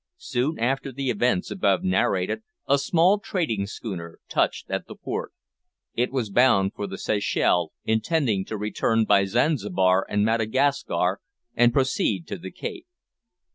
Soon after the events above narrated, a small trading schooner touched at the port. It was bound for the Seychelles, intending to return by Zanzibar and Madagascar, and proceed to the Cape.